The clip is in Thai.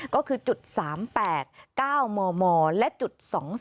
ก็คือจุด๓๘๙มมและจุด๒๒